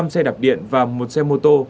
năm xe đặc điện và một xe mô tô